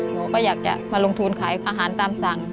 หนูก็อยากจะมาลงทุนขายอาหารตามสั่ง